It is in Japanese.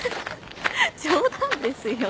冗談ですよ。